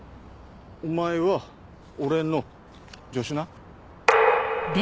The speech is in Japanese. お前は俺の助手な。